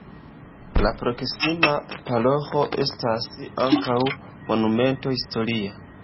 La proksima paroĥo estas ankaŭ monumento historia.